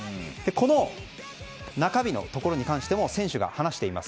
この中日のところに関しても選手が話しています。